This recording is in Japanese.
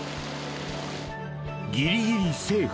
ギリギリセーフ